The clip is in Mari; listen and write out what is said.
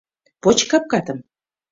— Поч капкатым.